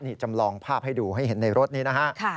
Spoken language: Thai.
นี่จำลองภาพให้ดูให้เห็นในรถนี้นะฮะ